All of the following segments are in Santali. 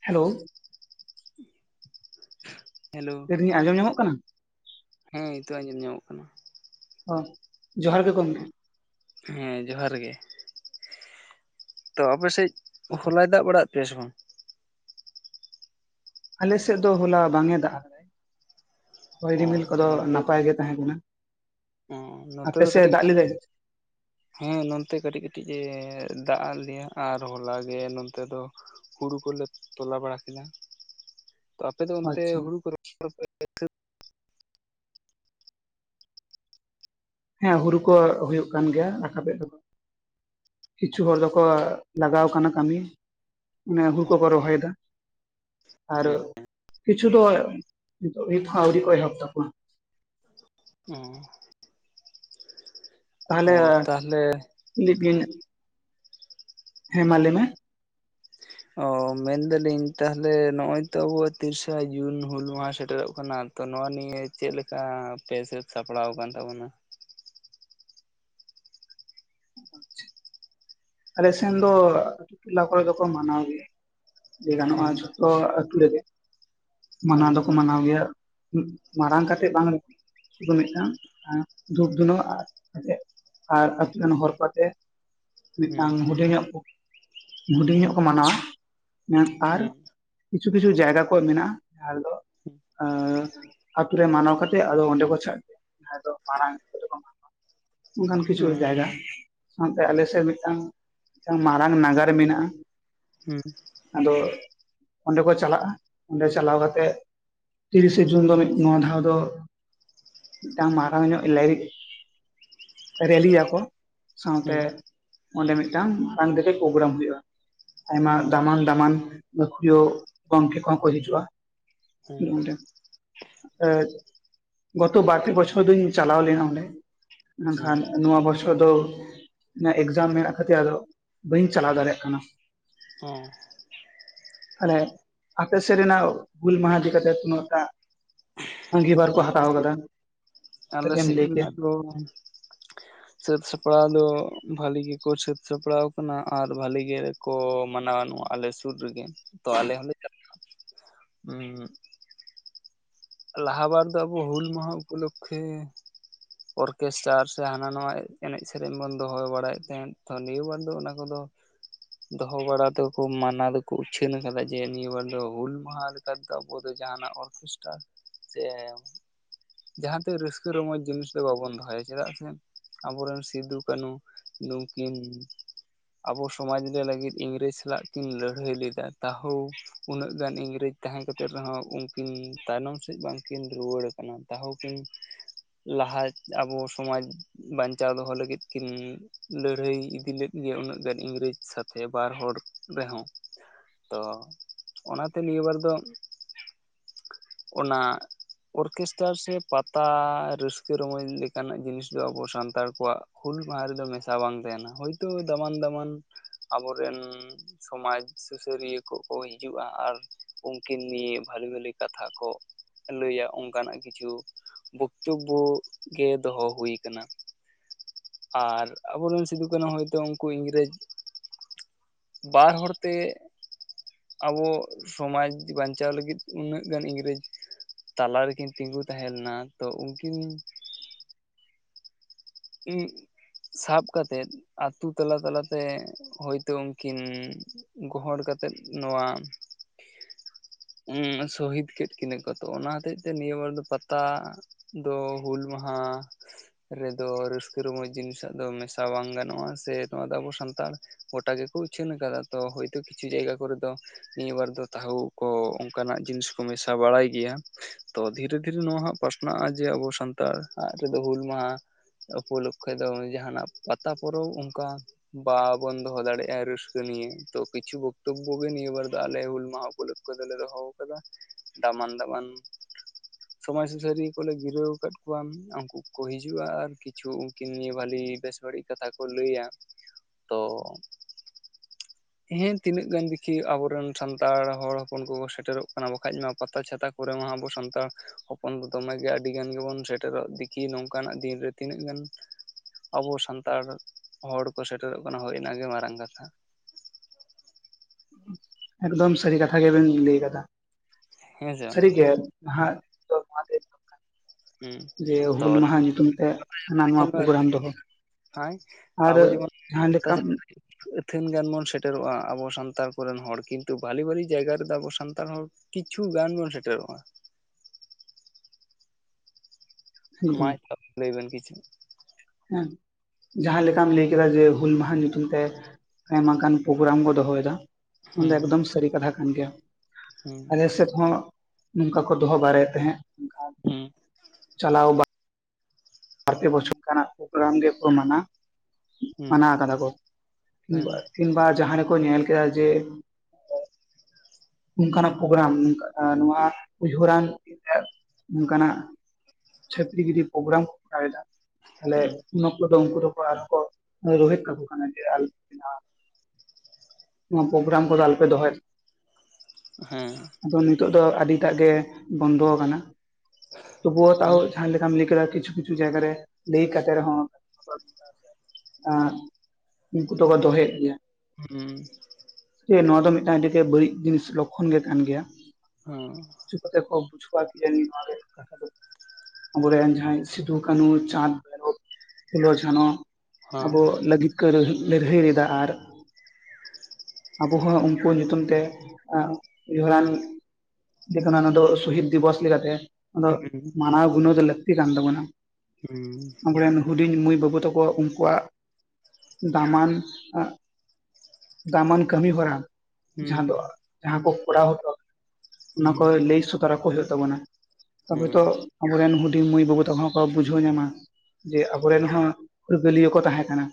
ᱦᱮᱞᱳ ᱦᱮᱞᱳ ᱞᱟᱹᱭᱫᱟᱹᱧ ᱟᱸᱡᱚᱢ ᱧᱟᱢᱚᱜ ᱠᱟᱱᱟ? ᱦᱮᱸ ᱱᱤᱛᱳᱜ ᱟᱸᱡᱚᱢ ᱧᱟᱢᱚᱜ ᱠᱟᱱᱟ᱾ ᱚᱸ ᱡᱚᱦᱟᱨ ᱜᱮ ᱜᱚᱢᱠᱮ ᱦᱮᱸ ᱡᱚᱦᱟᱨ ᱜᱮ᱾ ᱛᱚ ᱟᱯᱮᱥᱮᱡ ᱦᱚᱞᱟᱭ ᱫᱟᱜ ᱵᱟᱲᱟ ᱭᱮᱜ ᱯᱮᱭᱟ ᱥᱮ ᱵᱟᱝ? ᱟᱞᱮᱥᱮᱫ ᱫᱚ ᱦᱚᱞᱟ ᱵᱟᱝ ᱮ ᱫᱟᱜ ᱟᱠᱟᱫᱟᱭ, ᱦᱚᱭ ᱚ ᱨᱤᱢᱤᱞ ᱠᱚᱫᱚ ᱱᱚᱛᱮ ᱫᱚ ᱱᱟᱯᱟᱭ ᱜᱮ ᱛᱟᱦᱮᱸ ᱠᱟᱱᱟ᱾ ᱚ ᱱᱚᱛᱮ ᱟᱯᱮ ᱫᱚ ᱥᱮᱫ ᱠᱟᱹᱴᱤᱡ ᱫᱟᱜ ᱠᱟᱹᱴᱤᱡ ᱞᱮᱫᱟᱭ ᱦᱮᱸ ᱱᱚᱱᱛᱮ ᱠᱟᱹᱴᱤᱡ ᱠᱟᱹᱴᱤᱡ ᱮ ᱫᱟᱜ ᱟᱫ ᱞᱮᱭᱟ ᱟᱨ ᱦᱚᱞᱟᱜᱮ ᱱᱚᱱᱚᱛᱮ ᱫᱚ ᱦᱩᱲᱩ ᱠᱚᱞᱮ ᱛᱚᱞᱟ ᱵᱟᱲᱟ ᱠᱮᱫᱟ᱾ [inaudible] ᱛᱚ ᱟᱯᱮᱫᱚ ᱚ, ᱮᱱᱛᱮ ᱟᱪᱪᱷᱟ ᱦᱩᱲᱩ ᱠᱚ ᱨᱚᱲ [inaudible] ᱦᱮᱸ ᱦᱩᱲᱩ ᱠᱚ ᱦᱩᱭᱩᱜ ᱠᱟᱱ ᱜᱮᱭᱟ ᱨᱟᱠᱟᱵᱮᱫ ᱫᱚᱠᱚ ᱠᱤᱪᱷᱩ ᱦᱚᱲ ᱫᱚᱠᱚ ᱞᱟᱜᱟᱣ ᱠᱟᱱᱟ ᱠᱟᱢᱤ ᱢᱟᱱᱮ ᱦᱩᱲᱩ ᱠᱚᱠᱚ ᱨᱚᱦᱚᱭᱮᱫᱟ, ᱟᱨ ᱠᱤᱪᱷᱩ ᱫᱚ ᱱᱤᱛ ᱦᱚᱸ ᱟᱹᱣᱨᱤ ᱠᱚ ᱮᱦᱚᱵ ᱛᱟᱠᱚᱣᱟ᱾ ᱚᱸ ᱛᱟᱦᱞᱮ ᱢᱤᱫ ᱫᱤᱱ ᱦᱮᱸ ᱢᱟ ᱞᱟᱹᱭ ᱢᱮ ᱚ ᱢᱮᱱᱫᱟᱞᱤᱧ ᱛᱟᱦᱞᱮ ᱱᱚᱜ-ᱚᱭ ᱛᱚ ᱟᱵᱚᱣᱟᱜ ᱛᱤᱨᱤᱥᱟ ᱡᱩᱱ ᱦᱩᱞ ᱢᱟᱦᱟ ᱥᱮᱴᱮᱨᱚᱜ ᱠᱟᱱᱟ ᱛᱚ ᱱᱚᱣᱟ ᱱᱤᱭᱮ ᱪᱮᱫ ᱞᱮᱠᱟ ᱯᱮ ᱥᱟᱹᱛ ᱥᱟᱯᱲᱟᱣ ᱟᱠᱟᱱ ᱛᱟᱵᱚᱱᱟ ᱟᱪᱪᱷᱟ ᱟᱞᱮ ᱥᱮᱱ ᱫᱚ ᱟᱛᱩ ᱴᱚᱞᱟ ᱠᱚᱨᱮ ᱫᱚᱠᱚ ᱢᱟᱱᱟᱣ ᱜᱮᱭᱟ ᱞᱟᱹᱭ ᱜᱟᱱᱚᱜᱼᱟ ᱦᱮᱸ ᱡᱷᱚ ᱛᱚ ᱨᱮᱜᱮ ᱢᱟᱱᱟᱣ ᱦᱮᱸ ᱫᱚᱠᱚ ᱢᱟᱱᱟᱣ ᱜᱮᱭᱟ ᱩᱸᱜ ᱢᱟᱨᱟᱝ ᱠᱟᱛᱮᱜ ᱵᱟᱝ ᱨᱮ ᱥᱩᱫᱩ ᱢᱤᱫᱴᱟᱝ ᱫᱷᱩᱯ ᱫᱷᱩᱱᱟᱹᱣᱟᱜ-ᱟ ᱟᱨ ᱟᱛᱩ ᱨᱮᱱ ᱦᱚᱲ ᱠᱚ ᱟᱛᱮ ᱦᱩᱸ ᱢᱤᱫᱴᱟᱝ ᱦᱩᱰᱤᱧ ᱧᱚᱜ ᱠᱚ ᱦᱩᱰᱤᱧ ᱧᱚᱜ ᱠᱚ ᱢᱟᱱᱟᱣᱟ ᱦᱩᱸ ᱦᱩᱸ ᱦᱩᱸ ᱦᱩᱸ ᱦᱩᱸ ᱱᱮᱛᱟᱨ ᱠᱤᱪᱷᱩ ᱠᱤᱪᱷᱩ ᱡᱟᱭᱜᱟ ᱠᱚ ᱢᱮᱱᱟᱜᱼᱟ ᱡᱟᱦᱟᱸ ᱨᱮᱫᱚ ᱮᱸᱻ ᱟᱛᱩ ᱨᱮ ᱢᱟᱱᱟᱣ ᱠᱟᱛᱮᱫ ᱟᱫᱚ ᱚᱸᱰᱮ ᱠᱚ ᱪᱟ ᱟᱫᱚ ᱢᱟᱨᱟᱝ ᱫᱚ ᱚᱱᱠᱟᱱ ᱠᱤᱪᱷᱩ ᱡᱟᱭᱜᱟ ᱥᱟᱶᱛᱮ ᱟᱞᱮ ᱥᱮᱫ ᱢᱤᱫ ᱴᱟᱝ ᱢᱤᱫᱴᱟᱝ ᱢᱟᱨᱟᱝ ᱱᱟᱜᱟᱨ ᱢᱮᱱᱟᱜᱼᱟ ᱦᱩᱸ ᱟᱫᱚ ᱚᱸᱰᱮᱠᱚ ᱪᱟᱞᱟᱜᱼᱟ ᱚᱸᱰᱮ ᱪᱟᱞᱟᱣ ᱠᱟᱛᱮᱜ ᱛᱤᱨᱤᱥᱮ ᱡᱩᱱ ᱫᱚ ᱢᱤᱫ ᱱᱚᱣᱟ ᱫᱷᱟᱣ ᱫᱚ ᱢᱤᱫᱴᱟᱝ ᱢᱟᱨᱟᱝ ᱧᱚᱜ ᱞᱟᱹᱭᱨᱤᱡ ᱨᱮᱞᱤᱭᱟᱠᱚ ᱥᱟᱶᱛᱮ ᱚᱸᱰᱮ ᱢᱤᱫᱴᱟᱝ ᱢᱟᱨᱟᱝ ᱫᱮᱠᱷᱮ ᱯᱳᱜᱨᱟᱢ ᱦᱩᱭᱩᱜᱼᱟ ᱟᱭᱢᱟ ᱫᱟᱢᱟᱱ ᱫᱟᱢᱟᱱ ᱜᱟᱹᱠᱷᱩᱲᱤᱭᱟᱹ ᱜᱚᱝᱠᱮ ᱠᱚᱦᱚᱸ ᱠᱚ ᱦᱤᱡᱩᱜᱼᱟ ᱦᱩᱸ ᱦᱩᱸ ᱚᱸᱰᱮ ᱜᱚᱛᱚ ᱵᱟᱨᱯᱮ ᱵᱚᱪᱷᱚᱨ ᱫᱩᱧ ᱪᱟᱞᱟᱣ ᱞᱮᱱᱟ ᱚᱸᱰᱮ ᱦᱩᱸ ᱢᱮᱱᱠᱷᱟᱱ ᱱᱚᱣᱟ ᱵᱚᱪᱷᱚᱨ ᱫᱚ ᱮᱜ ᱡᱟᱢ ᱢᱮᱱᱟᱜ ᱠᱷᱟᱹᱛᱤᱨ ᱟᱫᱚ ᱵᱟᱹᱧ ᱪᱟᱞᱟᱣ ᱫᱟᱲᱮᱭᱟᱜ ᱠᱟᱱᱟ ᱚᱸ ᱛᱟᱦᱞᱮ ᱟᱯᱮ ᱥᱮᱜ ᱨᱮᱱᱟᱜ ᱦᱩᱞ ᱢᱟᱸᱦᱟ ᱤᱫᱤ ᱠᱟᱛᱮ ᱩᱱᱟᱜ ᱴᱟᱜ ᱟᱺᱜᱤᱵᱟᱨ ᱠᱚ ᱟᱯᱮ ᱦᱟᱛᱟᱣ ᱥᱮᱫ ᱠᱟᱫᱟ ᱡᱮ ᱪᱮᱫ ᱮᱢ ᱞᱟᱹᱭ ᱠᱮᱭᱟ ᱚ [inaudible] [inaudible] ᱥᱟᱹᱛ ᱥᱟᱯᱲᱟᱣ ᱫᱚ ᱵᱷᱟᱞᱤ ᱜᱮᱠᱚ ᱥᱟᱹᱛ ᱥᱟᱯᱲᱟᱣ ᱟᱠᱟᱱᱟ ᱟᱨ ᱵᱷᱟᱞᱤ ᱜᱮ ᱠᱚ ᱢᱟᱱᱟᱣᱟ ᱱᱚᱣᱟ ᱟᱞᱮ ᱥᱩᱨ ᱨᱮᱜᱮ ᱛᱚ ᱟᱞᱮ ᱦᱚᱸᱞᱮ ᱪᱟᱞᱟᱜᱼᱟ ᱩᱸᱻᱜ ᱞᱟᱦᱟ ᱵᱟᱨ ᱫᱚ ᱟᱵᱩ ᱦᱩᱞ ᱢᱟᱸᱦᱟ ᱩᱯᱚᱞᱚᱠᱠᱷᱮ ᱚᱨᱠᱮᱥᱴᱟᱨ ᱥᱮ ᱦᱟᱱᱟ ᱱᱟᱣᱟ ᱮᱱᱮᱡ ᱥᱮᱨᱮᱧ ᱵᱚᱱ ᱫᱚᱦᱚ ᱵᱟᱲᱟᱭᱮᱫ ᱛᱟᱦᱮᱸᱱ ᱛᱚ ᱱᱤᱭᱟᱹ ᱵᱟᱨ ᱫᱚ ᱚᱱᱟ ᱠᱚᱫᱚ ᱫᱚᱦᱚ ᱵᱟᱲᱟ ᱫᱚᱠᱚ ᱢᱟᱱᱟ ᱫᱚᱠᱚ ᱩᱪᱷᱟᱹᱱ ᱠᱟᱫᱟ ᱡᱮ ᱱᱤᱭᱟᱹ ᱵᱟᱨ ᱫᱚ ᱦᱩᱞ ᱢᱟᱸᱦᱟ ᱱᱮᱛᱟᱨ ᱫᱚ ᱟᱵᱚ ᱫᱚ ᱡᱟᱸᱦᱱᱟᱜ ᱚᱨᱠᱮᱥᱴᱨᱟ ᱥᱮ ᱡᱟᱦᱟᱸ ᱛᱮ ᱨᱟᱹᱥᱠᱟᱹ ᱨᱚᱢᱚᱡᱽ ᱡᱤᱱᱤᱥ ᱫᱚ ᱵᱟᱵᱚᱱ ᱫᱚᱦᱚᱭᱟ ᱪᱮᱫᱟᱜ ᱥᱮ ᱟᱵᱚᱨᱮᱱ ᱥᱤᱫᱩ ᱠᱟᱱᱩ ᱱᱩᱝᱠᱤᱱ ᱟᱵᱚ ᱥᱚᱢᱟᱡᱽ ᱨᱮ ᱞᱟᱹᱜᱤᱫ ᱤᱝᱨᱮᱡᱽ ᱥᱟᱞᱟᱜ ᱠᱤᱱ ᱞᱟᱹᱲᱦᱟᱹᱭ ᱞᱮᱫᱟ ᱛᱟᱦᱚᱣ ᱩᱱᱟᱹᱜ ᱜᱟᱱ ᱤᱝᱨᱮᱡᱽ ᱛᱟᱦᱮᱸ ᱠᱟᱛᱮ ᱨᱮᱦᱚᱸ ᱩᱝᱠᱤᱱ ᱛᱟᱭᱱᱚᱢ ᱥᱮᱡ ᱵᱟᱝᱠᱤᱱ ᱨᱩᱣᱟᱹᱲ ᱟᱠᱟᱱᱟ ᱛᱟᱦᱚ ᱠᱤᱱ ᱞᱟᱦᱟ ᱟᱵᱚ ᱥᱚᱢᱟᱡ ᱵᱟᱧᱪᱟᱣ ᱫᱚᱦᱚ ᱞᱟᱹᱜᱤᱫ ᱠᱤᱱ ᱞᱟᱹᱲᱦᱟᱹᱭ ᱤᱫᱤ ᱞᱮᱫ ᱜᱮ ᱩᱱᱟᱹᱜ ᱜᱟᱱ ᱤᱝᱨᱮᱡᱽ ᱥᱟᱛᱷᱮ ᱵᱟᱨ ᱦᱚᱲ ᱨᱮᱦᱚᱸ ᱛᱚ ᱚᱱᱟᱛᱮ ᱱᱤᱭᱟᱹ ᱵᱟᱨ ᱫᱚ ᱚᱱᱟ ᱚᱨᱠᱮᱥᱴᱟᱨ ᱥᱮ ᱯᱟᱛᱟ ᱨᱟᱹᱥᱠᱟᱹ ᱨᱚᱢᱚᱡᱽ ᱞᱮᱠᱟᱱᱟᱜ ᱡᱤᱱᱤᱥ ᱫᱚ ᱟᱵᱚ ᱥᱟᱱᱛᱟᱲ ᱠᱚᱣᱟᱜ ᱦᱩᱞ ᱢᱟᱦᱟ ᱨᱮᱫᱚ ᱢᱮᱥᱟ ᱵᱟᱝ ᱛᱟᱦᱮᱱᱟ ᱦᱚᱳᱭᱛᱚ ᱫᱟᱢᱟᱱ ᱫᱟᱢᱟᱱ ᱟᱵᱚᱨᱮᱱᱼᱼ ᱥᱚᱢᱟᱡᱽ ᱥᱩᱥᱟᱹᱨᱤᱭᱟᱹ ᱠᱚᱠᱚ ᱦᱤᱡᱩᱜᱼᱟ ᱟᱨ ᱩᱱᱠᱤᱱ ᱱᱤᱭᱮ ᱵᱟᱹᱞᱤ ᱵᱷᱟᱹᱞᱤ ᱠᱟᱛᱷᱟ ᱠᱚ ᱞᱟᱹᱭᱟ ᱚᱱᱠᱟᱱᱟᱜ ᱠᱤᱪᱷᱩ ᱵᱚᱠᱛᱚᱵᱚ ᱜᱮ ᱫᱚᱦᱚ ᱦᱩᱭ ᱠᱟᱱᱟ᱾ ᱟᱨ ᱟᱵᱚᱨᱮᱱ ᱥᱤᱫᱩᱼᱠᱟᱹᱱᱩ ᱦᱳᱭᱛᱳ ᱩᱱᱠᱩ ᱤᱝᱨᱮᱡᱽ ᱵᱟᱨ ᱦᱚᱲᱛᱮ ᱟᱵᱚ ᱥᱚᱢᱟᱡᱽ ᱵᱟᱧᱪᱟᱣ ᱞᱟᱹᱜᱤᱫ ᱩᱱᱟᱹᱜ ᱜᱟᱱ ᱛᱟᱞᱟ ᱨᱮᱠᱤᱱ ᱛᱤᱸᱜᱩ ᱛᱟᱦᱮᱸ ᱞᱮᱱᱟ ᱛᱚ ᱩᱱᱠᱤᱱ [unintelligible] ᱥᱟᱵ ᱠᱟᱛᱮᱫ ᱟᱛᱳ ᱛᱟᱞᱟ ᱛᱟᱞᱟᱛᱮ ᱦᱳᱭᱛᱳ ᱩᱱᱠᱤᱱ ᱜᱚᱦᱚᱲ ᱠᱟᱛᱮᱫ ᱱᱚᱣᱟ [unintelligible] ᱥᱚᱦᱤᱫ ᱠᱮᱫ ᱠᱤᱱᱟᱹ ᱠᱚᱛᱚ ᱚᱱᱟ ᱦᱚᱛᱮᱡ ᱛᱮ ᱱᱤᱭᱟᱹ ᱵᱟᱨ ᱫᱚ ᱯᱟᱛᱟ ᱫᱚ ᱦᱩᱞ ᱢᱟᱦᱟ ᱨᱮᱫ ᱫᱚ ᱨᱟᱹᱥᱠᱟᱹ ᱨᱚᱢᱚᱡᱽ ᱡᱤᱱᱤᱥᱟᱜ ᱫᱚ ᱢᱮᱥᱟ ᱵᱟᱝ ᱜᱟᱱᱚᱜᱼᱟ ᱥᱮ ᱱᱚᱣᱟ ᱫᱚ ᱟᱵᱚ ᱥᱟᱱᱛᱟᱲ ᱜᱚᱴᱟ ᱜᱮᱠᱚ ᱩᱪᱷᱟᱹᱱ ᱟᱠᱟᱫᱟ ᱛᱚ ᱦᱚᱭᱛᱳ ᱠᱤᱪᱷᱩ ᱡᱟᱭᱜᱟ ᱠᱚᱨᱮ ᱫᱚ ᱱᱤᱭᱟᱹ ᱵᱟᱨ ᱫᱚ ᱛᱟᱹᱦᱩ ᱠᱚ ᱚᱱᱠᱟᱱᱟᱜ ᱡᱤᱱᱤᱥ ᱠᱚ ᱢᱮᱥᱟ ᱵᱟᱲᱟᱭ ᱜᱮᱭᱟ ᱛᱚ ᱫᱷᱤᱨᱮ ᱫᱷᱤᱨᱮ ᱱᱚᱣᱟ ᱦᱚ ᱯᱟᱥᱱᱟᱜᱼᱟ ᱡᱮ ᱟᱵᱚ ᱥᱟᱱᱛᱟᱲᱟᱜ ᱨᱮᱫᱚ ᱦᱩᱞ ᱢᱟᱦᱟ ᱩᱯᱚᱞᱚᱠᱷᱚ ᱫᱚ ᱡᱟᱦᱟ ᱱᱟᱜ ᱯᱟᱛᱟ ᱯᱚᱨᱚᱵᱽ ᱚᱱᱠᱟ ᱵᱟᱵᱚᱱ ᱫᱚᱦᱚ ᱫᱟᱲᱮᱭᱟᱜᱼᱟ ᱨᱟᱹᱥᱠᱟᱹ ᱱᱤᱭᱮ ᱛᱚ ᱠᱤᱪᱷᱩ ᱵᱚᱠᱛᱚᱵᱵᱚ ᱜᱮ ᱱᱤᱭᱟᱹ ᱵᱟᱨ ᱫᱚ ᱟᱞᱮ ᱦᱩᱞ ᱢᱟᱦᱟ ᱚᱩᱯᱞᱚᱠ ᱩᱠᱩᱟᱹ ᱫᱚᱞᱮ ᱫᱚᱦᱚ ᱟᱠᱟᱫᱟ, ᱫᱟᱢᱟᱱ ᱫᱟᱢᱟᱱ ᱥᱚᱢᱟᱡ ᱥᱩᱥᱟᱹᱨᱤᱭᱟᱹ ᱠᱚᱞᱮ ᱜᱤᱨᱟᱹᱣ ᱟᱠᱟᱫ ᱠᱚᱣᱟ ᱩᱱᱠᱩ ᱠᱚ ᱦᱤᱡᱩᱜᱼᱟ ᱟᱨ ᱠᱤᱪᱷᱩ ᱠᱤᱪᱷᱩ ᱩᱱᱠᱤᱱ ᱱᱤᱭᱟᱹ ᱵᱟᱹᱞᱤ ᱵᱮᱥ ᱵᱟᱹᱲᱤᱡ ᱠᱟᱛᱷᱟ ᱠᱚ ᱞᱟᱹᱭᱟ, ᱛᱚ [unintelligible] ᱦᱮᱸ ᱛᱤᱱᱟᱹᱜ ᱜᱟᱱ ᱫᱠᱷᱤ ᱟᱵᱚᱨᱮᱱ ᱥᱟᱱᱛᱟᱲ ᱦᱚᱲ ᱦᱚᱯᱚᱱ ᱠᱚᱠᱚ ᱥᱮᱴᱮᱨᱚᱜ ᱠᱟᱱᱟ ᱵᱟᱠᱷᱟᱡ ᱢᱟ ᱯᱟᱛᱟ ᱪᱷᱟᱛᱟ ᱠᱚᱨᱮᱢᱟ ᱟᱵᱚ ᱥᱟᱱᱛᱟᱲ ᱦᱚᱯᱚᱱ ᱫᱚ ᱫᱚᱢᱮᱜ ᱜᱮ ᱟᱹᱰᱤ ᱜᱟᱱ ᱜᱮᱵᱚᱱ ᱥᱮᱴᱮᱨᱚᱜ ᱫᱤᱠᱤ ᱱᱚᱝᱠᱟᱱᱟᱜ ᱫᱤᱱ ᱨᱮ ᱛᱤᱱᱟᱹᱜ ᱜᱟᱱ ᱟᱵᱚ ᱥᱟᱱᱛᱟᱲ ᱦᱚᱲ ᱠᱚ ᱥᱮᱴᱮᱨᱚᱜ ᱠᱟᱱᱟ ᱦᱳᱭᱱᱟ ᱜᱮ ᱢᱟᱨᱟᱝ ᱠᱟᱛᱷᱟ, ᱮᱠᱫᱚᱢ ᱥᱟᱹᱨᱤ ᱠᱟᱛᱷᱟ ᱜᱮᱵᱮᱱ ᱞᱟᱹᱭ ᱠᱟᱫᱟ ᱦᱮᱸ ᱥᱮ ᱵᱟᱝ ᱥᱟᱹᱨᱤᱜᱮ, [inaudible] ᱦᱩᱸ ᱡᱮ ᱛᱚ ᱦᱩᱞ ᱢᱟᱦᱟ ᱧᱩᱛᱩᱢ ᱛᱮ ᱦᱟᱱᱟ ᱱᱚᱣᱟ ᱧᱮᱞ ᱢᱮ ᱯᱨᱳᱜᱨᱟᱢ ᱫᱚᱦᱚ ᱟᱨ ᱡᱟᱦᱟᱸ ᱞᱮᱠᱟᱢ [inaudible] ᱟᱹᱛᱷᱟᱹᱱ ᱜᱟᱱ ᱵᱚᱱ ᱥᱮᱴᱮᱨᱚᱜᱼᱟ ᱟᱵᱚ ᱥᱟᱱᱛᱟᱲ ᱠᱚᱨᱮᱱ ᱦᱚᱲ ᱠᱤᱱᱛᱩ ᱵᱷᱟᱞᱤ ᱵᱷᱟᱞᱤ ᱡᱟᱭᱜᱟ ᱨᱮᱫᱚ ᱟᱵᱚ ᱥᱟᱱᱛᱟᱲ ᱦᱚᱲ ᱠᱤᱪᱷᱩ ᱜᱟᱱ ᱵᱚᱱ ᱥᱮᱴᱮᱨᱚᱜᱼᱟ, ᱮᱠᱫᱚᱢ [inaudible] ᱞᱟᱹᱭ ᱵᱮᱱ ᱠᱤᱪᱷᱩ [unintelligible] ᱡᱟᱦᱟᱸ ᱞᱮᱠᱟᱢ ᱞᱟᱹᱭ ᱠᱮᱫᱟ ᱡᱮ ᱦᱩᱞ ᱢᱟᱦᱟ ᱧᱩᱛᱩᱢ ᱛᱮ ᱟᱭᱢᱟ ᱜᱟᱱ ᱯᱨᱳᱜᱨᱟᱢ ᱠᱚ ᱫᱚᱦᱚᱭᱮᱫᱟ, ᱚᱱᱟ ᱫᱚ ᱦᱩᱸ ᱮᱠᱫᱚᱢ ᱥᱟᱹᱨᱤ ᱠᱟᱛᱷᱟ ᱠᱟᱱ ᱜᱮᱭᱟ, ᱦᱩᱸ ᱟᱞᱮ ᱥᱮᱫ ᱦᱚᱸ ᱱᱚᱝᱠᱟ ᱠᱚ ᱫᱚᱦᱚ ᱵᱟᱲᱟᱭ ᱛᱟᱦᱮᱸᱫ ᱾ [unintelligible] ᱪᱟᱞᱟᱣ [inaudible] [unintelligible] ᱯᱨᱳᱜᱨᱟᱢ ᱜᱮᱠᱚ ᱢᱟᱱᱟ ᱦᱩᱸ ᱢᱟᱱᱟᱣ ᱟᱠᱟᱫᱟ ᱠᱚ ᱦᱮᱸ ᱠᱤᱱᱵᱟ ᱠᱤᱱᱵᱟ ᱡᱟᱦᱟᱸ ᱨᱮᱠᱚ ᱧᱮᱞ ᱠᱮᱫᱟ ᱡᱮ ᱱᱚᱝᱠᱟ ᱱᱟᱜ ᱯᱨᱳᱜᱨᱟᱢ ᱱᱚᱣᱟ ᱩᱭᱦᱟᱹᱨᱟᱱ ᱱᱚᱝᱠᱟ ᱱᱟᱜ ᱪᱷᱟᱹᱛᱨᱤ ᱜᱤᱨᱤ ᱯᱨᱳᱜᱨᱟᱢ ᱠᱚ ᱠᱚᱨᱟᱣ ᱮᱫᱟ, ᱛᱟᱦᱞᱮ ᱦᱩᱸ ᱩᱱ ᱚᱠᱛᱚ ᱫᱚ ᱩᱱᱠᱩ ᱫᱚᱠᱚ ᱟᱨ ᱠᱚ ᱨᱳᱦᱮᱫ ᱠᱟᱠᱚ ᱠᱟᱱᱟ ᱡᱮ ᱟᱞᱮ ᱵᱮᱱᱟᱣᱟ, ᱱᱚᱣᱟ ᱯᱨᱳᱜᱨᱟᱢ ᱠᱚᱫᱚ ᱟᱞᱯᱮ ᱫᱚᱦᱚᱭ ᱦᱮᱸ ᱟᱫᱚ ᱱᱤᱛᱚᱜ ᱫᱚ ᱟᱹᱰᱤᱴᱟᱜ ᱜᱮ ᱵᱚᱱᱫᱚ ᱟᱠᱟᱱᱟ᱾ ᱛᱚᱵᱩ ᱛᱟᱣ ᱦᱮᱸ ᱡᱟᱦᱟᱸ ᱞᱮᱠᱟᱢ ᱞᱟᱹᱭ ᱠᱮᱫᱟ ᱠᱤᱪᱷᱩ ᱠᱤᱪᱷᱩ ᱡᱟᱭᱜᱟ ᱨᱮ ᱞᱟᱹᱭ ᱠᱟᱛᱮ ᱨᱮᱦᱚᱸ᱾ ᱟᱨ ᱩᱱᱠᱩ ᱫᱚᱠᱚ ᱫᱚᱦᱚᱭᱮᱫ ᱜᱮᱭᱟ᱾ ᱦᱩ ᱱᱚᱣᱟ ᱫᱚ ᱢᱤᱫᱴᱟᱝ ᱵᱟᱹᱲᱤᱡ ᱡᱤᱱᱤᱥ ᱞᱚᱠᱠᱷᱚᱱ ᱜᱮ ᱠᱟᱱ ᱜᱮᱭᱟ᱾ [unintelligible] ᱪᱤᱠᱟ ᱛᱮᱠᱚ ᱵᱩᱡᱩᱣᱟ ᱱᱚᱣᱟ ᱨᱮᱭᱟᱜ ᱠᱟᱛᱷᱟ ᱫᱚ᱾ ᱟᱵᱚ ᱨᱮᱱ ᱡᱟᱦᱟᱸᱭ ᱥᱤᱫᱩ ᱠᱟᱱᱩ ᱪᱟᱸᱫᱽ ᱵᱷᱨᱚᱵ ᱯᱷᱩᱞᱳ ᱡᱷᱟᱱᱚ᱾ ᱦᱚᱸ ᱟᱵᱚ ᱞᱟᱹᱜᱤᱫ ᱠᱚ ᱞᱟᱲ ᱞᱟᱹᱲ ᱦᱟᱹᱭ ᱞᱮᱫᱟ ᱟᱨ᱾ ᱟᱵᱚ ᱦᱚᱸ ᱩᱱᱠᱩ ᱧᱩᱛᱩᱢ ᱛᱮ ᱮᱜ ᱩᱭᱦᱟᱹᱨᱟᱱ᱾ ᱞᱮᱠᱟ ᱱᱚᱣᱟ ᱫᱚ ᱥᱚᱦᱤᱫ ᱫᱤᱵᱚᱥ ᱞᱮᱠᱟᱛᱮ ᱱᱟᱣᱟ ᱫᱚ ᱦᱩᱸ ᱢᱟᱱᱟᱣ ᱜᱩᱱᱟᱹ ᱫᱚ ᱞᱟᱹᱠᱛᱤ ᱠᱟᱱ ᱛᱟᱵᱚᱱᱟ᱾ ᱦᱩ ᱟᱵᱚᱨᱮᱱ ᱦᱩᱰᱤᱧ ᱢᱟᱹᱭ ᱵᱟᱹᱵᱩ ᱛᱟᱠᱚ ᱩᱱᱠᱩᱣᱟᱜ ᱫᱟᱢᱟᱱ᱾ ᱫᱟᱢᱟᱱ ᱠᱟᱹᱢᱤ ᱦᱚᱨᱟ ᱦᱩᱸ ᱡᱟᱦᱟᱸ ᱫᱚ ᱡᱟᱦᱟᱸ ᱠᱚ ᱠᱚᱨᱟᱣ ᱦᱚᱴᱚ᱾ ᱚᱱᱟ ᱦᱩᱸ ᱠᱚ ᱞᱟᱹᱭ ᱥᱚᱫᱚᱨ ᱟᱠᱚ ᱦᱩᱭᱩᱜ ᱛᱟᱵᱚᱱᱟ᱾ ᱛᱟᱯᱮ ᱛᱚ ᱦᱮᱸ ᱟᱵᱚᱨᱮᱱ ᱦᱩᱰᱤᱧ ᱢᱟᱹᱭ ᱵᱟᱹᱵᱩ ᱛᱟᱠᱚ ᱦᱚᱸᱠᱚ ᱵᱩᱡᱷᱟᱹᱣ ᱧᱟᱢᱟ᱾ ᱡᱮ ᱟᱵᱚᱨᱮᱱ ᱦᱚᱸ ᱯᱷᱩᱨᱜᱟᱹᱞᱤᱭᱟᱹ ᱠᱚ ᱛᱟᱦᱮᱸ ᱠᱟᱱᱟ᱾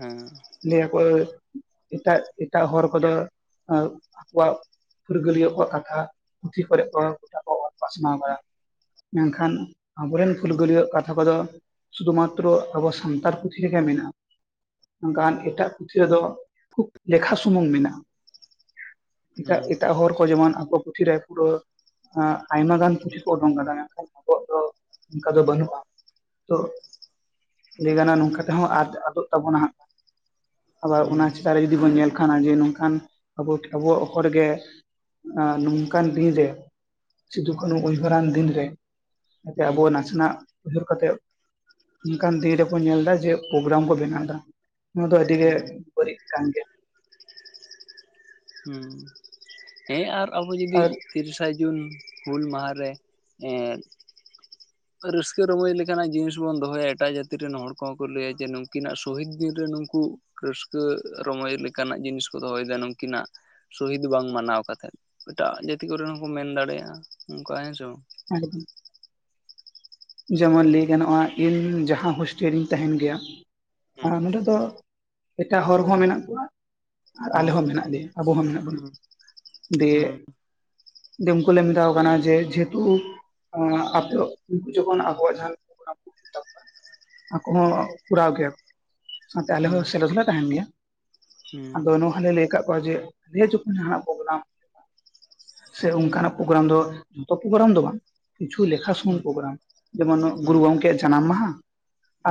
ᱦᱮᱸ ᱞᱟᱭ ᱟᱠᱚ ᱮᱴᱟᱜ ᱮᱴᱟᱜ ᱦᱚᱨ ᱠᱚᱫᱚ ᱟᱜ ᱠᱚᱣᱟᱜ᱾ ᱯᱷᱩᱨᱜᱟᱹᱞᱤᱭᱟᱹ ᱠᱚᱣᱟᱜ ᱠᱟᱛᱷᱟ ᱯᱩᱛᱷᱤ ᱠᱚᱨᱮᱫ ᱠᱚ ᱜᱟᱴᱟ ᱠᱚ ᱚᱞ ᱯᱤᱥᱱᱟᱣ᱾ ᱢᱮᱱᱠᱷᱟᱱ ᱟᱵᱚᱨᱮᱱ ᱯᱷᱩᱞᱜᱟᱹᱨᱤᱭᱟᱜ ᱠᱟᱛᱷᱟ ᱠᱚᱫᱚ᱾ ᱥᱩᱫᱷᱩ ᱢᱟᱛᱨᱚ ᱟᱵᱚ ᱥᱟᱱᱛᱟᱲ ᱯᱩᱛᱷᱤ ᱨᱮᱜᱮ ᱢᱮᱱᱟᱜᱼᱟ ᱢᱮᱱᱠᱷᱟᱱ ᱮᱴᱟᱜ ᱯᱩᱛᱷᱤ ᱨᱮᱫᱚ᱾ ᱠᱷᱩᱵ ᱞᱮᱠᱷᱟ ᱥᱩᱢᱩᱝ ᱢᱮᱱᱟᱜᱼᱟ ᱮᱴᱟᱜ ᱦᱩᱸ ᱮᱴᱟᱜ ᱦᱚᱲ ᱠᱚ ᱡᱮᱢᱚᱱ ᱟᱠᱚ ᱯᱩᱫᱷᱤ ᱨᱮ ᱨᱩᱨᱟᱹ ᱮᱜ ᱟᱭᱢᱟ ᱜᱟᱱ ᱯᱩᱛᱷᱤ ᱠᱚ ᱩᱰᱩᱝ ᱠᱟᱫᱟ ᱢᱮᱱᱠᱷᱟᱱ ᱟᱵᱚᱣᱟᱜ ᱫᱚ ᱚᱱᱠᱟ ᱫᱚ ᱵᱟᱹᱱᱩᱜᱼᱟ᱾ ᱛᱚ ᱞᱟᱹᱭ ᱜᱟᱱᱚᱜᱼᱟ ᱱᱚᱝᱠᱟ ᱛᱮᱦᱚᱸ ᱟᱫ ᱟᱫᱚᱜ ᱛᱟᱵᱚᱱᱟ ᱦᱟᱸᱜ᱾ ᱟᱵᱟᱨ ᱦᱩᱸ ᱚᱱᱟ ᱪᱮᱛᱟᱱ ᱨᱮ ᱡᱩᱫᱤ ᱵᱚᱱ ᱧᱮᱞ ᱠᱷᱟᱱ ᱡᱮ ᱱᱚᱝᱠᱟᱱ ᱟᱵᱚᱣᱟᱜ ᱚᱠ ᱨᱮᱜᱮ᱾ ᱟᱨ ᱱᱚᱝᱠᱟᱱ ᱫᱤᱱ ᱨᱮ ᱥᱤᱫᱩ ᱠᱟᱹᱱᱩ ᱩᱭᱦᱟᱹᱨᱟᱱ ᱫᱤᱱᱨᱮ᱾ ᱡᱟᱛᱮ ᱦᱩᱸ ᱟᱵᱚ ᱱᱟᱥᱮᱱᱟᱜ᱾ ᱩᱭᱦᱟᱹᱨ ᱠᱟᱛᱮᱫ ᱚᱱᱠᱟᱱ ᱫᱤᱱ ᱨᱮᱠᱚ ᱧᱮᱞ ᱫᱟ ᱡᱮ ᱯᱨᱳᱜᱨᱟᱢ ᱠᱚ ᱵᱮᱱᱟᱣ ᱫᱟ᱾ ᱱᱚᱣᱟ ᱫᱚ ᱟᱹᱰᱤ ᱜᱮ ᱦᱩᱸ ᱵᱟᱹᱲᱤᱡ ᱠᱟᱱ ᱜᱮᱭᱟ᱾ ᱦᱩ ᱦᱮ ᱟᱨ ᱟᱵᱚ ᱡᱩᱫᱤ᱾ ᱟᱨ ᱛᱤᱨᱤᱥᱟ ᱡᱩᱱ ᱦᱩᱞ ᱢᱟᱦᱟᱨᱮ ᱮᱜ᱾ [unintelligible] ᱨᱟᱹᱥᱠᱟᱹ ᱨᱚᱢᱚᱡᱽ ᱞᱮᱠᱟᱱᱟᱜ ᱡᱤᱱᱤᱥ ᱵᱚᱱ ᱫᱚᱦᱚᱭᱟ ᱮᱴᱟᱜ ᱡᱟᱹᱛᱤ ᱨᱮᱱ ᱦᱚᱲ ᱠᱚᱦᱚᱸ ᱠᱚ ᱞᱟᱹᱭᱟ ᱡᱮ ᱱᱩᱠᱤᱱᱟᱜ ᱥᱚᱦᱤᱫ ᱫᱤᱱ ᱨᱮ ᱱᱩᱠᱩ᱾ ᱨᱟᱹᱥᱠᱟᱹ ᱨᱚᱢᱚᱪ ᱞᱮᱠᱟᱱᱟᱜ ᱡᱤᱱᱤᱥ ᱠᱚ ᱫᱚᱦᱚᱭᱮᱫᱟ ᱱᱩᱠᱤᱱᱟᱜ᱾ ᱥᱚᱦᱤᱫ ᱵᱟᱝ ᱢᱟᱱᱟᱣ ᱠᱟᱛᱮᱫ ᱮᱴᱟᱜ ᱡᱟᱹᱛᱤ ᱠᱚᱨᱮᱱ ᱦᱚᱸᱠᱚ ᱢᱮᱱ ᱫᱟᱲᱮᱭᱟᱜᱼᱟ ᱚᱱᱠᱟ ᱦᱮᱸᱥᱮ᱾ ᱮᱠᱫᱚᱢ ᱡᱮᱢᱚᱱ ᱞᱟᱹᱭ ᱜᱟᱱᱚᱜᱼᱟ ᱤᱧ ᱡᱟᱦᱟ ᱦᱳᱥᱴᱮᱞ ᱨᱤᱧ ᱛᱟᱦᱮᱱ ᱜᱮᱭᱟ ᱱᱚᱸᱰᱮ ᱫᱚ᱾ ᱮᱴᱟᱜ ᱦᱚᱲ ᱦᱚ ᱢᱮᱱᱟᱜ ᱠᱚᱣᱟ᱾ ᱟᱨ ᱟᱞᱮ ᱦᱩᱸ ᱦᱚᱸ ᱢᱮᱱᱟᱜ ᱞᱮᱭᱟ ᱟᱵᱚ ᱦᱚᱸ ᱢᱮᱱᱟᱜ ᱵᱚᱱᱟ ᱦᱩᱸ ᱫᱮ᱾ ᱦᱩᱸ ᱫᱮ ᱩᱱᱠᱩ ᱞᱮ ᱢᱮᱛᱟ ᱠᱚ ᱠᱟᱱᱟ ᱡᱮ ᱡᱮᱦᱮᱛᱩ ᱟᱜ ᱟᱯᱮ᱾ ᱡᱚᱠᱷᱚᱱ ᱟᱠᱚᱣᱟᱜ ᱡᱟᱦᱟ [unintelligible] ᱟᱠᱚ ᱦᱚᱸ ᱠᱚᱨᱟᱣ ᱜᱮᱭᱟ ᱠᱚ᱾ ᱥᱟᱶᱛᱮ ᱟᱞᱮ ᱦᱚᱸ ᱥᱮᱞᱮᱫ ᱞᱮ ᱛᱟᱦᱮᱱ ᱜᱮᱭᱟ ᱦᱩᱸ ᱟᱫᱚ ᱱᱚᱣᱟ ᱦᱚᱸᱞᱮ ᱞᱟᱹᱭ ᱠᱟᱜ ᱱᱚᱜᱼᱚᱭ ᱡᱮ ᱱᱤᱭᱮ ᱡᱚᱠᱷᱚᱱ ᱦᱟᱜ ᱯᱨᱳᱜᱨᱟᱢ᱾ ᱥᱮ ᱚᱱᱠᱟᱱᱟᱜ ᱯᱨᱳᱜᱨᱟᱢ ᱫᱚ ᱫᱟᱯᱩᱜᱨᱟᱢ ᱫᱚ ᱵᱟᱝ᱾ ᱠᱤᱪᱷᱩ ᱞᱮᱠᱷᱟ ᱥᱩᱢᱩᱱ ᱦᱩᱸ ᱯᱨᱳᱜᱨᱟᱢ ᱡᱮᱢᱚᱱ ᱜᱩᱨᱩ ᱦᱩᱸ ᱜᱚᱝᱠᱮ ᱭᱟᱜ ᱡᱟᱱᱟᱢ ᱢᱟᱦᱟ᱾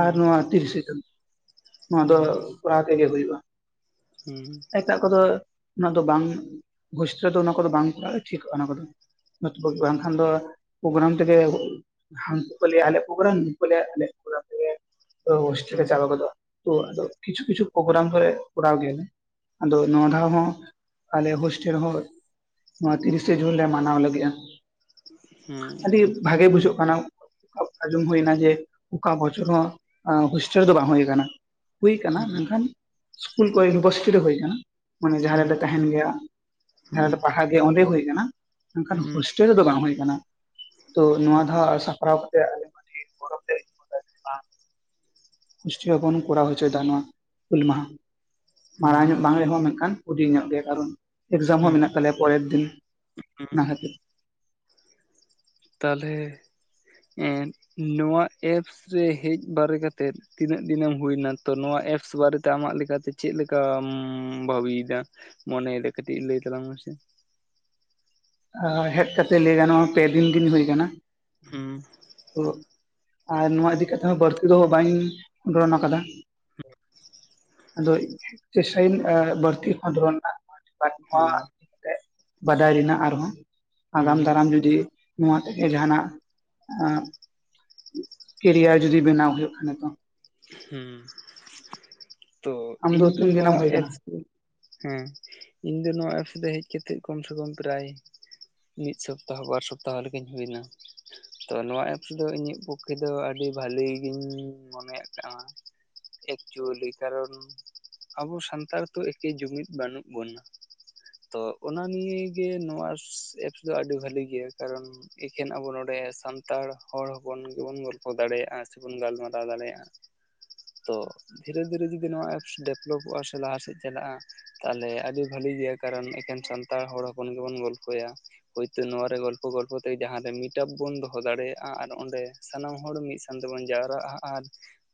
ᱟᱨ ᱱᱚᱣᱟ ᱛᱤᱨᱤᱥᱮ ᱡᱩᱱ ᱱᱚᱣᱟ ᱫᱚ ᱦᱩᱸ ᱠᱚᱨᱟᱣ ᱛᱮᱜᱮ ᱦᱩᱭᱩᱜᱼᱟ᱾ ᱦᱩᱸ ᱮᱴᱟᱜ ᱠᱚᱫᱚ ᱱᱚᱣᱟ ᱫᱚ ᱵᱟᱝ ᱜᱩᱥᱛᱟ ᱫᱚ ᱚᱱᱟ ᱠᱚᱫᱚ ᱵᱟᱝ ᱠᱚᱨᱟᱜ ᱴᱷᱤᱠᱼᱟ ᱚᱱᱟ ᱠᱚᱫᱚ᱾ [unintelligible] ᱦᱩᱸ ᱵᱟᱝᱠᱷᱟᱱ ᱫᱚ ᱯᱩᱨᱳᱜᱨᱟᱢ ᱛᱮᱜᱮ, ᱦᱟᱝᱠᱩ ᱠᱩ ᱞᱟᱹᱭᱟ ᱟᱞᱮᱭᱟᱜ ᱯᱚᱨᱚᱜ ᱜᱨᱟᱢ ᱱᱩᱠᱩ ᱠᱚ ᱞᱟᱹᱭᱟ ᱟᱞᱮᱭᱟᱜ ᱯᱚᱨᱚᱜᱨᱟᱢ ᱛᱮᱜᱮ ᱦᱚᱥᱴᱮᱞ ᱦᱩᱸ ᱪᱟᱵᱟᱣ ᱜᱚᱫᱚᱜᱼᱟ᱾ ᱛᱚ ᱟᱫᱚ ᱠᱤᱪᱷᱩ ᱠᱤᱪᱷᱩ ᱯᱨᱳᱜᱨᱟᱢ ᱠᱚ ᱠᱚᱨᱟᱣ ᱜᱮᱭᱟᱞᱮ ᱟᱫᱚ ᱱᱚᱣᱟ ᱫᱷᱟᱣ ᱦᱚᱸ ᱟᱞᱮ ᱦᱳᱥᱴᱮᱞ ᱦᱚᱸ ᱱᱚᱣᱟ ᱛᱤᱨᱤᱥᱮ ᱡᱩᱱ ᱞᱮ ᱢᱟᱱᱟᱣ ᱞᱟᱹᱜᱤᱫᱼᱟ᱾ ᱦᱩᱸ ᱟᱹᱰᱤ ᱵᱷᱟᱜᱤ ᱵᱩᱡᱩᱜ ᱟᱸᱡᱚᱢ ᱦᱩᱭᱱᱟ ᱡᱮ ᱚᱠᱟ ᱵᱚᱪᱷᱚᱨ ᱦᱚᱸ ᱦᱳᱥᱴᱮᱞ ᱨᱮ ᱫᱚ ᱵᱟᱝ ᱦᱩᱭ ᱠᱟᱱᱟ᱾ ᱦᱩᱭ ᱠᱟᱱᱟ, ᱦᱩᱸ ᱢᱮᱱᱠᱷᱟᱱ ᱥᱠᱩᱞ ᱠᱚᱨᱮ ᱤᱭᱩᱱᱤᱵᱷᱟᱨᱥᱤᱴᱤ ᱨᱮ ᱦᱩᱭ ᱟᱠᱟᱱᱟ᱾ ᱢᱟᱱᱮ ᱦᱩᱸ ᱡᱟᱸᱨᱮᱞᱮ ᱛᱟᱸᱦᱮᱱ ᱜᱮᱭᱟ ᱡᱟᱸᱦᱟ ᱨᱮᱞᱮ ᱦᱩᱸ ᱯᱟᱲᱦᱟᱜ ᱜᱮᱭᱟ ᱚᱸᱰᱮ ᱦᱩᱭ ᱠᱟᱱᱟ ᱢᱮᱱᱠᱷᱟᱱ ᱦᱩᱸ ᱦᱳᱥ ᱴᱮᱞ ᱨᱮᱫᱚ ᱵᱟᱝ ᱦᱩᱭ ᱠᱟᱱᱟ ᱛᱚ ᱱᱚᱣᱟ ᱦᱩᱸ ᱦᱩᱸ ᱫᱷᱟᱣ ᱥᱟᱯᱲᱟᱣ ᱠᱟᱛᱮ ᱟᱰᱤ ᱟᱰᱤ ᱜᱚᱲᱚᱛᱮ [unintelligible] ᱟᱵᱚᱵᱚᱱ ᱠᱚᱨᱟᱣ ᱦᱚᱪᱚᱭᱮᱫᱟ ᱱᱚᱣᱟ ᱦᱩᱞ ᱢᱟᱦᱟ ᱢᱟᱨᱟᱝ ᱦᱩᱸ ᱦᱩᱸ ᱧᱚᱜ ᱵᱟᱝ ᱨᱮᱦᱚᱸ ᱢᱮᱱᱠᱷᱟᱱ ᱦᱩᱰᱤᱧ ᱧᱚᱜ ᱜᱮᱭᱟ ᱠᱟᱨᱚᱱ ᱮᱠᱡᱟᱢ ᱦᱚᱸ ᱢᱮᱱᱟᱜ ᱛᱟᱞᱮᱭᱟ ᱯᱚᱨᱮᱨ ᱫᱤᱱ ᱚᱱᱟ ᱦᱩᱸ ᱠᱷᱟᱹᱛᱤᱨ᱾ ᱛᱟᱦᱚᱞᱮ ᱮᱸ ᱱᱚᱣᱟ ᱮᱯᱥ ᱨᱮ ᱦᱮᱡ ᱵᱟᱨᱮ ᱠᱟᱛᱮᱫ, ᱛᱤᱱᱟᱹᱜ ᱫᱤᱱᱮᱢ ᱦᱩᱭᱱᱟ ᱛᱚ ᱱᱚᱣᱟ ᱮᱯᱥ ᱵᱟᱨᱮᱛᱮ ᱟᱢᱟᱜ ᱞᱮᱠᱟᱛᱮ ᱪᱮᱫ ᱞᱮᱠᱟᱢ ᱵᱷᱟᱵᱤᱭᱮᱫᱟ? ᱢᱚᱱᱮᱭ ᱫᱟ ᱠᱟᱹᱴᱤᱡ ᱞᱟᱹᱭ ᱛᱟᱞᱟᱝ ᱢᱮᱥᱮ? ᱦᱮᱡ ᱠᱟᱛᱮᱜ ᱞᱟᱹᱭ ᱜᱟᱱᱚᱜᱼᱟ ᱯᱮ ᱫᱤᱱ ᱜᱤᱱ ᱦᱩᱭ ᱠᱟᱱᱟ᱾ ᱦᱩᱸ, ᱛᱚ ᱟᱨ ᱱᱚᱣᱟ ᱤᱫᱤ ᱠᱟᱛᱮᱜ ᱦᱚᱸ ᱵᱟᱹᱲᱛᱤ ᱫᱚ ᱵᱟᱹᱧ ᱠᱷᱚᱱᱰᱚᱨᱚᱱ ᱠᱟᱫᱟ᱾ ᱦᱩᱸ᱾ ᱟᱫᱚ ᱪᱮᱥᱴᱟᱭᱟ ᱟᱸᱧ ᱵᱟᱹᱲᱛᱤ ᱠᱷᱚᱱᱰᱚᱨᱚᱱ ᱨᱮᱱᱟᱜ᱾ ᱦᱩᱸ [unintelligible] ᱛᱮᱜ ᱵᱟᱰᱟᱭ ᱨᱮᱱᱟᱜ ᱟᱨ ᱦᱚᱸ ᱟᱜᱟᱢ ᱦᱩᱸ ᱫᱟᱨᱟᱢ ᱡᱩᱫᱤ ᱱᱚᱣᱟ ᱛᱮᱜᱮ ᱡᱟᱸᱦᱟᱱᱟᱜ ᱠᱮᱨᱤᱭᱟᱨ ᱡᱩᱫᱤ ᱵᱮᱱᱟᱣ ᱦᱩᱭᱩᱜ ᱠᱷᱟᱱᱮ ᱫᱚ᱾ ᱦᱩᱸ, ᱛᱚ ᱟᱢ ᱤᱧ ᱫᱚ ᱩᱛᱩᱧ ᱱᱚᱣᱟ ᱡᱟᱱᱟᱢ ᱦᱩᱭ ᱟᱠᱟᱱᱟ ᱮᱯᱥ ᱫᱚ ᱦᱮᱸ ᱤᱧ ᱫᱚ ᱱᱚᱣᱟ ᱮᱯᱥ ᱨᱮ ᱦᱮᱡ ᱠᱟᱛᱮᱫ ᱠᱚᱢ ᱥᱮ ᱠᱚᱢ ᱯᱨᱟᱭ ᱢᱤᱫ ᱥᱚᱯᱛᱟᱦᱚ ᱵᱟᱨ ᱥᱚᱯᱛᱟᱦᱚ ᱞᱮᱠᱟᱧ ᱦᱩᱭ ᱱᱟ᱾ ᱛᱚ ᱱᱚᱣᱟ ᱮᱯᱥ ᱫᱚ ᱤᱧᱟᱜ ᱯᱚᱠᱠᱷᱮ ᱫᱚ ᱟᱹᱰᱤ ᱵᱷᱟᱞᱤ ᱜᱤᱧ ᱢᱚᱱᱮᱭᱟᱜ ᱠᱟᱱᱟ᱾ ᱮᱠᱪᱩᱭᱮᱞᱤ ᱠᱟᱨᱚᱱ ᱟᱵᱚ ᱥᱟᱱᱛᱟᱲ ᱛᱚ ᱮᱠᱮ ᱡᱩᱢᱤᱫ ᱵᱟᱹᱱᱩᱜ ᱵᱚᱱᱟ᱾ ᱛᱚ ᱚᱱᱟ ᱱᱤᱭᱮ ᱜᱮ ᱱᱚᱣᱟ ᱮᱯᱥ ᱫᱚ ᱟᱹᱰᱤ ᱵᱷᱟᱹᱞᱤ ᱜᱮᱭᱟ ᱠᱟᱨᱚᱱ, ᱮᱠᱷᱮᱱ ᱟᱵᱚ ᱱᱚᱰᱮ ᱥᱟᱱᱛᱟᱲ ᱦᱚᱲ ᱦᱚᱯᱚᱱ ᱜᱮᱵᱚᱱ ᱜᱚᱞᱯᱚ ᱫᱟᱲᱮᱭᱟᱜᱼᱟ ᱥᱮᱵᱚᱱ ᱜᱟᱞᱢᱟᱨᱟᱣ ᱫᱟᱲᱮᱭᱟᱜᱼᱟ᱾ ᱛᱚ ᱫᱷᱤᱨᱮ ᱫᱷᱤᱨᱮ ᱡᱩᱫᱤ ᱱᱚᱣᱟ ᱮᱯᱥ ᱰᱮᱵᱷᱞᱚᱯᱚᱜᱼᱟ ᱥᱮ ᱞᱟᱦᱟᱥᱮᱫ ᱪᱟᱞᱟᱜᱼᱟ᱾ ᱛᱟᱦᱚᱞᱮ ᱟᱹᱰᱤ ᱵᱷᱟᱞᱤ ᱜᱮᱭᱟ, ᱠᱟᱨᱚᱱ ᱮᱠᱮᱱ ᱥᱟᱱᱛᱟᱲ ᱦᱚᱲ ᱦᱚᱯᱚᱱ ᱜᱮᱵᱚᱱ ᱜᱚᱞᱯᱷᱚᱭᱟ᱾ ᱦᱚᱭᱛᱳ ᱱᱚᱣᱟ ᱨᱮ ᱜᱚᱞᱯᱚ ᱜᱚᱞᱯᱚ ᱛᱮ ᱡᱟᱸᱦᱟ ᱨᱮ ᱢᱤᱴᱟᱯ ᱵᱚᱱ ᱫᱚᱦᱚ ᱫᱟᱲᱮᱭᱟᱜᱼᱟ ᱟᱨ ᱚᱸᱰᱮ ᱥᱟᱱᱟᱢ ᱦᱚᱲ ᱢᱤᱫ ᱥᱟᱸᱣ ᱛᱮᱵᱚᱱ ᱡᱟᱣᱨᱟᱜᱼᱟ ᱟᱨ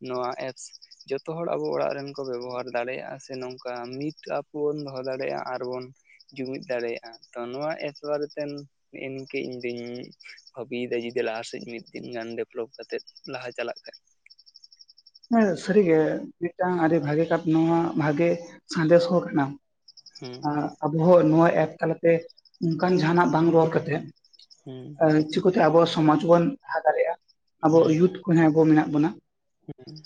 ᱱᱚᱣᱟ ᱮᱯᱥ ᱡᱚᱛᱚ ᱦᱚᱲ ᱟᱵᱚ ᱚᱲᱟᱜ ᱨᱮᱱ ᱠᱚ ᱵᱮᱵᱚᱦᱟᱨ ᱫᱟᱲᱮᱭᱟᱜᱼᱟ ᱥᱮ ᱱᱚᱝᱠᱟ ᱢᱤᱴ ᱟᱯ ᱵᱚᱱ ᱫᱚᱦᱚ ᱫᱟᱲᱮᱭᱟᱜᱼᱟ ᱟᱨᱵᱚᱱ, ᱡᱩᱢᱤᱫ ᱫᱟᱲᱮᱭᱟᱜᱼᱟ, ᱛᱚ ᱱᱚᱣᱟ ᱮᱯᱥ ᱵᱟᱨᱮᱛᱮᱱ ᱱᱮᱜᱮᱱᱤᱝᱠᱟ ᱤᱧ ᱫᱩᱧ ᱵᱷᱟᱵᱤᱭᱮᱫᱟ ᱡᱩᱫᱤ ᱞᱟᱦᱟᱥᱮᱫ ᱢᱤᱫ ᱫᱤᱱ ᱜᱟᱱ ᱰᱮᱵᱷᱞᱚᱯ ᱠᱟᱛᱮᱫ ᱞᱟᱦᱟ ᱪᱟᱞᱟᱜ ᱠᱷᱟᱡ᱾ ᱦᱮᱸ ᱥᱟᱹᱨᱤᱜᱮ ᱢᱤᱫᱴᱟᱝ ᱟᱹᱰᱤ ᱵᱷᱟᱜᱮ ᱠᱟᱛ ᱱᱚᱣᱟ ᱵᱷᱟᱜᱤ ᱥᱟᱸᱫᱮᱥ ᱦᱚᱸ ᱠᱟᱱᱟ᱾ ᱦᱩᱸ᱾ ᱟᱨ ᱟᱵᱚ ᱦᱚᱸ ᱱᱚᱣᱟ ᱮᱯᱥ ᱛᱟᱞᱟᱛᱮ ᱚᱱᱠᱟᱱ ᱡᱟᱦᱟᱱᱟᱜ ᱵᱟᱝ ᱨᱚᱲ ᱠᱟᱛᱮᱜ ᱦᱩᱸ ᱮ ᱪᱩᱯ ᱛᱮ ᱟᱵᱚᱣᱟᱜ ᱥᱚᱢᱟᱡ ᱵᱚᱱ ᱞᱟᱦᱟ ᱫᱟᱲᱮᱭᱟᱜᱼᱟ ᱟᱵᱚ [unintelligible] ᱠᱚ ᱦᱚᱸ ᱟᱵᱚ ᱢᱮᱱᱟᱜ ᱵᱚᱱᱟ᱾ ᱦᱮᱸ᱾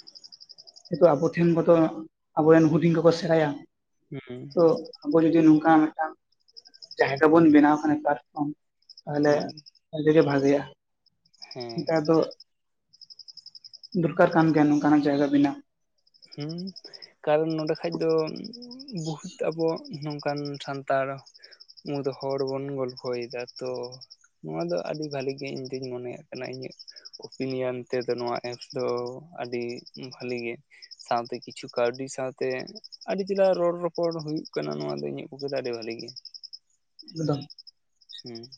ᱡᱮᱦᱮᱛᱩ ᱟᱵᱚ ᱴᱷᱮᱱ ᱡᱚᱛᱚ ᱟᱵᱚᱨᱮᱱ ᱦᱩᱰᱤᱧ ᱠᱚᱠᱚ ᱥᱮᱬᱟᱭᱟ ᱛᱚ ᱟᱵᱚ ᱡᱩᱫᱤ ᱱᱚᱝᱠᱟ ᱢᱤᱫᱴᱟᱱ ᱡᱟᱭᱜᱟ ᱵᱚᱱ ᱵᱮᱱᱟᱣ ᱠᱷᱟᱱᱮ ᱯᱟᱨᱯᱷᱨᱚᱢ ᱛᱟᱦᱚᱞᱮ ᱦᱩᱸ ᱟᱹᱰᱤᱜᱮ ᱵᱷᱟᱜᱤᱼᱟ ᱦᱮᱸ ᱱᱮᱛᱟᱨ ᱫᱚ ᱫᱚᱨᱠᱟᱨ ᱠᱟᱱ ᱛᱮᱱ ᱚᱱᱠᱟᱱᱟᱝ ᱡᱟᱭᱜᱟ ᱵᱮᱱᱟᱣ। ᱦᱩᱸ। ᱠᱟᱨᱚᱱ ᱱᱚᱰᱮ ᱠᱷᱟᱡ ᱫᱚ ᱵᱚᱦᱩᱛ ᱟᱵᱚ ᱱᱚᱝᱠᱟᱱ ᱥᱟᱱᱛᱟᱲ ᱢᱩᱫ ᱦᱚᱲ ᱵᱚᱱ ᱜᱚᱞᱯᱷᱚᱭᱮᱫᱟ ᱛᱚ ᱱᱚᱣᱟ ᱫᱚ ᱟᱹᱰᱤ ᱵᱷᱟᱹᱞᱤ ᱜᱮ ᱤᱧ ᱫᱩᱧ ᱢᱚᱱᱮᱭᱟᱜ ᱠᱟᱱᱟ ᱤᱧᱟᱹᱜ ᱩᱯᱤᱱᱤᱭᱚᱱ ᱛᱮᱫᱚ ᱱᱚᱣᱟ ᱮᱯᱥ ᱫᱚ ᱟᱹᱰᱤ ᱵᱷᱟᱹᱞᱤ ᱜᱮ। ᱥᱟᱸᱣᱛᱮ ᱠᱤᱪᱷᱩ ᱠᱟᱹᱣᱰᱤ ᱥᱟᱸᱣᱛᱮ ᱟᱹᱰᱤ ᱪᱮᱞᱟ ᱨᱚᱲ ᱨᱚᱯᱚᱲ ᱦᱩᱭᱩᱜ ᱠᱟᱱᱟ, ᱱᱚᱣᱟ ᱫᱚ ᱤᱧᱟᱹᱜ ᱯᱚᱠᱠᱷᱮ ᱫᱚ ᱟᱹᱰᱤ ᱵᱷᱟᱹᱞᱤ ᱜᱮ। ᱢᱤᱫ ᱫᱚᱢ ᱦᱩᱸ